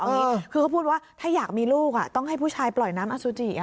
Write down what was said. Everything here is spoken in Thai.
อย่างนี้คือเขาพูดว่าถ้าอยากมีลูกต้องให้ผู้ชายปล่อยน้ำอสุจิ